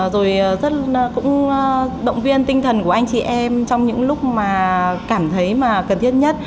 rồi cũng động viên tinh thần của anh chị em trong những lúc mà cảm thấy mà cần thiết nhất